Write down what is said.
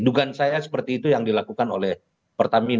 dugaan saya seperti itu yang dilakukan oleh pertamina